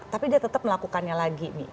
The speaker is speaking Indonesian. tapi dia tetap melakukannya lagi